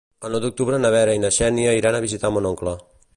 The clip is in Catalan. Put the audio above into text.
El nou d'octubre na Vera i na Xènia iran a visitar mon oncle.